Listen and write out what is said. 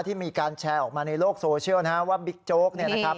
ที่มีการแชร์ออกมาในโลกโซเชียลนะฮะว่าบิ๊กโจ๊กเนี่ยนะครับ